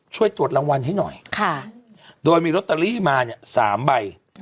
ช่วยตรวจรางวัลให้หน่อยโดยมีลอตเตอรี่มาเนี่ย๓ใบ